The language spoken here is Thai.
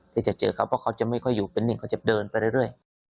ที่จะเจอเขาเพราะเขาจะไม่ค่อยอยู่เป็นนี่เขาจะเดินไปเรื่อย